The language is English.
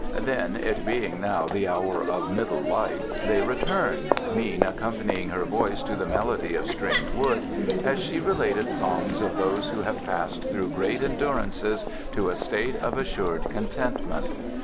Then, it being now the hour of middle light, they returned, Mean accompanying her voice to the melody of stringed wood, as she related songs of those who have passed through great endurances to a state of assured contentment.